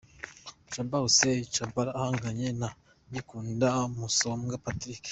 Shaban Hussein Tchabalala ahanganye na Kikunda Musombwa Patrick.